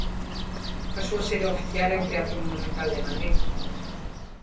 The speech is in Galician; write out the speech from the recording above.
A súa sede oficial é o Teatro Monumental de Madrid.